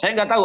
saya gak tahu